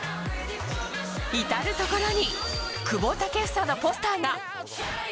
至る所に久保建英のポスターが。